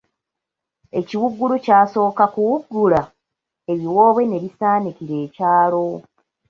Ekiwuugulu kyasooka kuwuugula, ebiwoobe ne bisaanikira ekyalo.